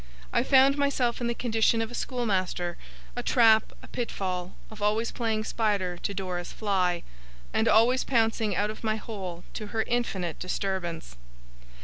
I found myself in the condition of a schoolmaster, a trap, a pitfall; of always playing spider to Dora's fly, and always pouncing out of my hole to her infinite disturbance.